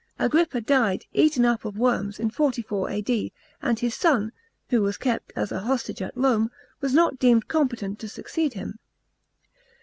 Agrippa died, eaten up of worms, in 44 A.D., and his son, who was kept as ;i hostage at Rome, was not deemed competent to succeed him.